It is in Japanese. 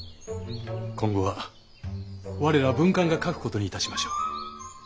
今後は我ら文官が書くことにいたしましょう。